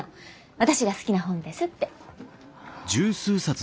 私が好きな本ですって。